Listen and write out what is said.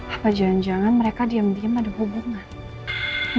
apa jangan jangan mereka diam diam ada hubungan